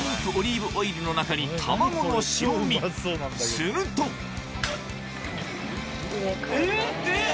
するとえ？